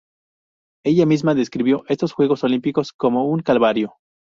Ella misma describió estos Juegos Olímpicos como "un calvario".